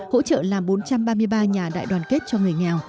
hỗ trợ làm bốn trăm ba mươi ba nhà đại đoàn kết cho người nghèo